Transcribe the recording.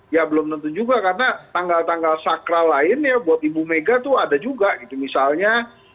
ya belum tentu juga karena tanggal tanggal sakral lain ya buat ibu mega tuh ada juga gitu misalnya